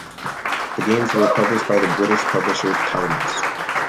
The games were published by the British publisher Thalamus.